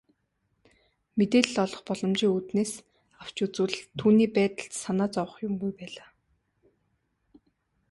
Мэдээлэл олох боломжийн үүднээс авч үзвэл түүний байдалд санаа зовох юмгүй байлаа.